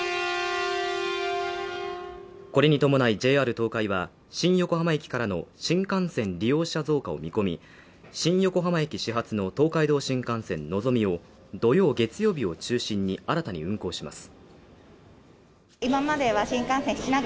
これに伴いＪＲ東海は、新横浜駅からの新幹線利用者増加を見込み新横浜駅始発の東海道新幹線「のぞみ」を土曜月曜日を中心に新たに運行します。